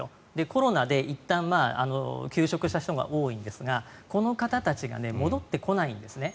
コロナでいったん休職した人が多いんですがこの方たちが戻ってこないんですね。